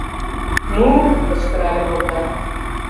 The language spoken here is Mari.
Ну! — кычкырале Богданов.